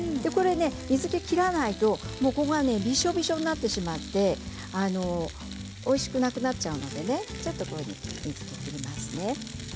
水けを切らないとびしょびしょになってしまっておいしくなくなってしまいますのでね、水を切りますね。